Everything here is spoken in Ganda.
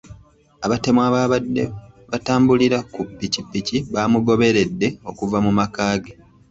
Abatemu ababadde batambulira ku pikipiki bamugoberedde okuva mu makaage .